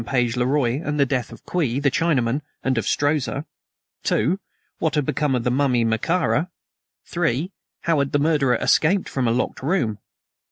Page le Roi and the death of Kwee, the Chinaman, and of Strozza? (2) What had become of the mummy of Mekara? (3) How had the murderer escaped from a locked room?